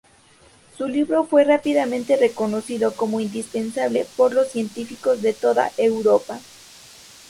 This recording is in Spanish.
Su libro fue rápidamente reconocido como indispensable por los científicos de toda Europa.